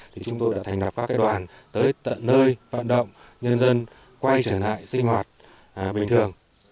thì chúng tôi đã thành lập các đoàn tới tận nơi vận động nhân dân quay trở lại sinh hoạt bình thường